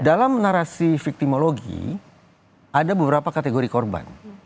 dalam narasi victimologi ada beberapa kategori korban